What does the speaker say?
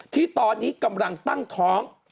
ที่ตอนนี้กำลังตั้งท้อง